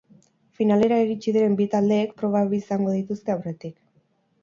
Finalera iritsi diren bi taldeek proba bi izango dituzte aurretik.